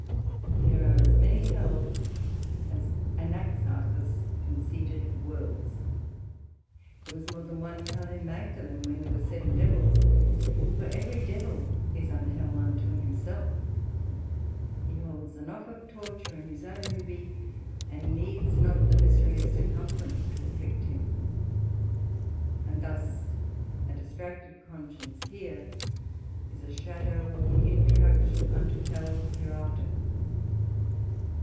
There are as many Hells, as Anaxagoras conceited worlds; there was more than one Hell in Magdalene, when there were seven Devils; for every Devil is an Hell unto himself; he holds enough of torture in his own ubi, and needs not the misery of circumference to afflict him. And thus a distracted Conscience here, is a shadow or introduction unto Hell hereafter.